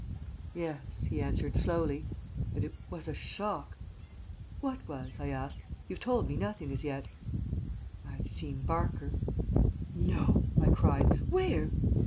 "Yes," he answered, slowly. "But it was a shock." "What was?" I asked. "You've told me nothing as yet." "I've seen Barker." "No!" I cried. "Where?"